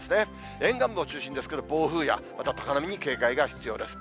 沿岸部を中心にですけれども、暴風やまた高波に警戒が必要です。